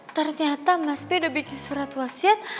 ternyata mas p udah bikin surat wasiat